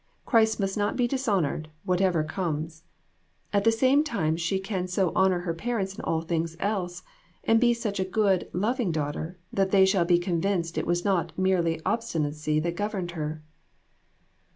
Christ must not be dis honored, whatever comes. At the same time she can so honor her parents in all things else, and be such a good, loving daughter, that they shall be convinced it was not mere obstinacy that governed her."